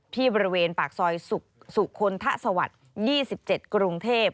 ที่บริเวณปากซอยสุขนถสวรรค์๒๗กรุงเทพฯ